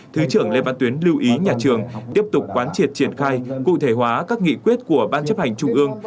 thứ trưởng lê văn tuyến lưu ý nhà trường tiếp tục quán triệt triển khai cụ thể hóa các nghị quyết của ban chấp hành trung ương